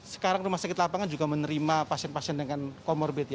sekarang rumah sakit lapangan juga menerima pasien pasien dengan comorbid ya